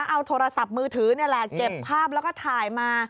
เอาโทรศัพท์มือถือนี่แหละเก็บภาพแล้วก็ถ่ายมา